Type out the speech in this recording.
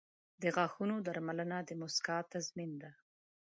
• د غاښونو درملنه د مسکا تضمین ده.